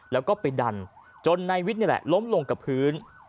แล้วก็ไปดันจนนายวิทย์นี่แหละล้มลงกับพื้น